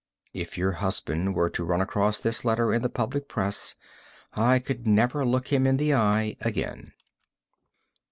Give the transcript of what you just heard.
If your husband were to run across this letter in the public press I could never look him in the eye again.